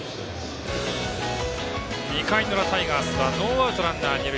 ２回の裏、タイガースはノーアウト、ランナー、二塁。